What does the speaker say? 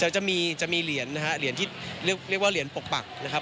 จะมีเหรียญนะครับเหรียญที่เรียกว่าเหรียญปกปักนะครับ